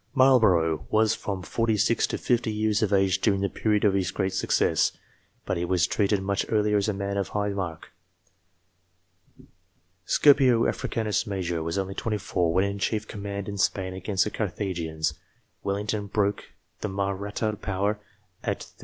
Marlborough was from 46 to 50 years of age during the period of his greatest success, but he was treated much earlier as a man of high mark. Scipio Africanus Major was only 24 when in chief command in Spain against the Carthaginians. Wellington broke the Mahratta power set.